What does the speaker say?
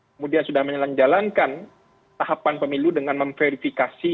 kemudian sudah menjalankan tahapan pemilu dengan memverifikasi